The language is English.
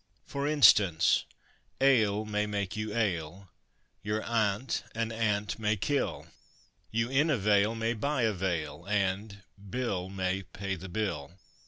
For instance, ale may make you ail, your aunt an ant may kill, You in a vale may buy a veil and Bill may pay the bill.